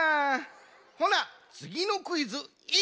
ほなつぎのクイズいくで。